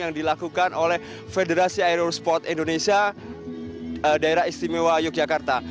yang dilakukan oleh federasi aerospot indonesia daerah istimewa yogyakarta